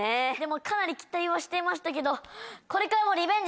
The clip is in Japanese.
かなり期待はしていましたけどこれからも。